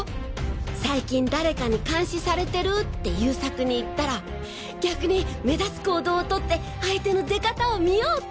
最近誰かに監視されてるって優作に言ったら逆に目立つ行動をとって相手の出方を見ようって。